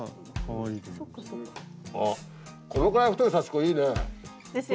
あっこのぐらい太い刺し子いいね！ですよね。